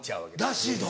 らしいぞ。